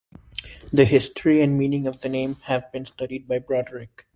The history and meaning of the name have been studied by Broderick.